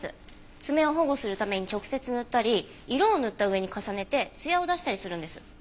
爪を保護するために直接塗ったり色を塗った上に重ねてつやを出したりするんです。